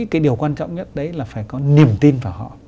cái điều quan trọng nhất đấy là phải có niềm tin vào họ